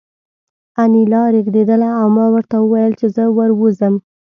انیلا رېږېدله او ما ورته وویل چې زه ور ووځم